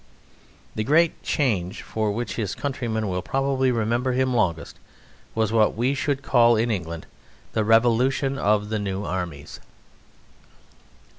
The great change for which his countrymen will probably remember him longest was what we should call in England the revolution of the New Armies.